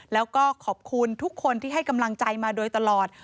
แล้วก็ขอบคุณทุกคนที่ให้กำลังใจมาโดยตลอด